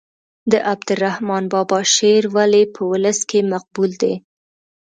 د عبدالرحمان بابا شعر ولې په ولس کې مقبول دی.